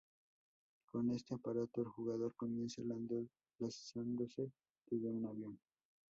Con este aparato, el jugador comienza lanzándose desde un avión.